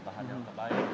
bahan yang terbaik